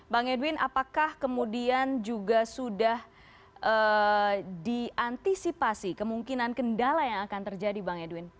bang edwin apakah kemudian juga sudah diantisipasi kemungkinan kendala yang akan terjadi bang edwin